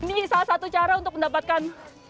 ini salah satu cara untuk mendapatkan